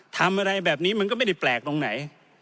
ทำอะไรแบบนี้มันก็ไม่ได้แปลกตรงไหน